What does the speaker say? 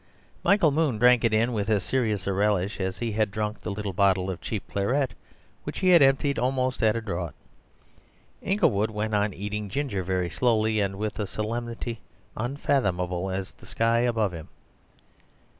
Michael Moon drank it in with as serious a relish as he had drunk the little bottle of cheap claret, which he had emptied almost at a draught. Inglewood went on eating ginger very slowly and with a solemnity unfathomable as the sky above him.